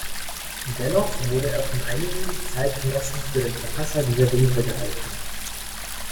Dennoch wurde er von einigen Zeitgenossen für den Verfasser dieser Briefe gehalten.